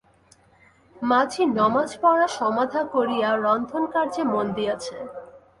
মাঝি নমাজ পড়া সমাধা করিয়া রন্ধনকার্যে মন দিয়াছে।